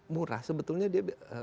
murah sebetulnya dia